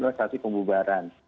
akhirnya sanksi pembubaran